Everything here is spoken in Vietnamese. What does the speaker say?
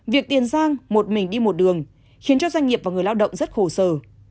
việc tiền giang một mình đi một đường khiến cho doanh nghiệp và người lao động rất khổ sở